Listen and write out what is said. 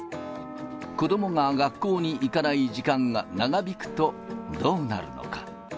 子どもが学校に行かない時間が長引くと、どうなるのか。